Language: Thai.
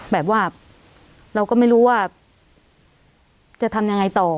แบบว่าเราก็ไม่รู้ว่าจะทำยังไงต่อ